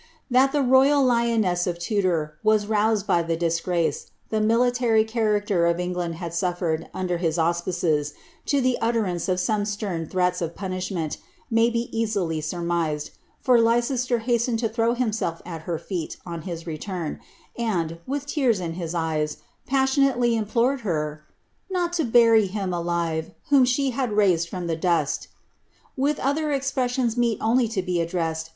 That the royal lioness of Tudor was roused by the disgrace the military efaaracter of England had suflered under his auspices, to the utterance of some stem threats of punishment, may be easily surmised, for Leices ter hastened to throw himself at her feet on his return, and, with tean in his eyes, passionately implored her ^ not to bury him alive, whom she had raised from the dust;"' with other expressions meet only to be Camden; Linfard.